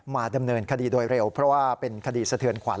มาดำเนินคดีโดยเร็วเพราะว่าเป็นคดีสะเทือนขวัญ